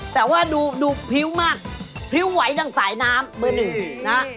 แต่ว่าดูพิ้วมากพิ้วไหวจากสายน้ำเบอร์๑นะ